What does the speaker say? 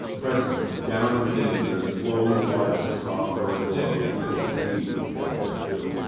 Presently, down the beam there slowdy glided a soft red glow moving toward the Siege which Galahad filled.